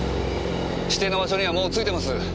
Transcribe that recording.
指定の場所にはもう着いてます。